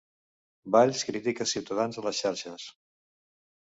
Valls critica Ciutadans a les xarxes